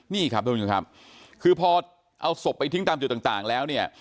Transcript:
นี่ครับทุกผู้ชมครับคือพอเอาศพไปทิ้งตามจุดต่างแล้วเนี่ย